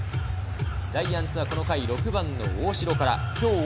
ジャイアンツはこの回、６番の大城から。